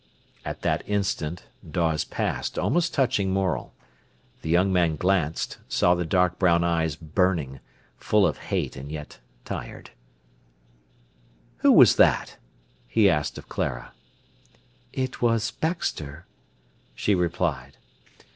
At that instant Dawes passed, almost touching Morel. The young man glanced, saw the dark brown eyes burning, full of hate and yet tired. "Who was that?" he asked of Clara. "It was Baxter," she replied.